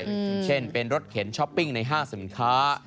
อย่างเช่นเป็นรถเข็นช้อปปิ้งในห้างสินค้า